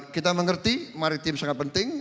kita mengerti maritim sangat penting